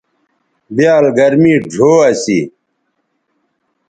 بیال گرمی ڙھو اسی